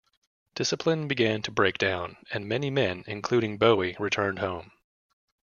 Discipline began to break down, and many men, including Bowie, returned home.